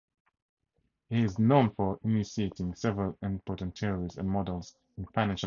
He is known for initiating several important theories and models in financial economics.